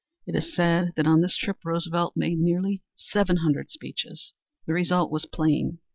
It is said that on this trip Roosevelt made nearly seven hundred speeches. The result was plain.